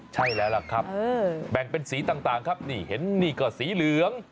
ใช่แล้วล่ะครับแบ่งเป็นสีต่างครับนี่เห็นนี่ก็สีเหลือง